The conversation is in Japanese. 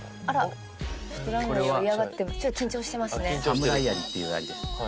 サムライアリっていうアリです。